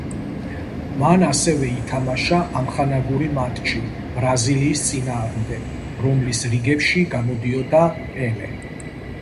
მან ასევე ითამაშა ამხანაგური მატჩი ბრაზილიის წინააღმდეგ, რომლის რიგებში გამოდიოდა პელე.